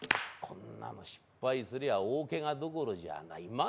こんなの失敗すりゃ大ケガどころじゃない。